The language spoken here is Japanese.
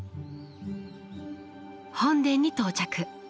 本殿に到着。